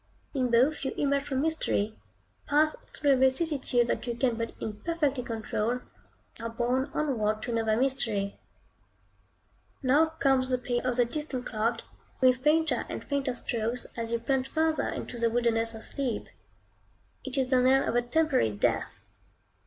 In both you emerge from mystery, pass through a vicissitude that you can but imperfectly control, and are borne onward to another mystery. Now comes the peal of the distant clock, with fainter and fainter strokes as you plunge further into the wilderness of sleep. It is the knell of a temporary death.